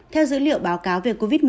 theo dữ liệu báo cáo về covid một mươi chín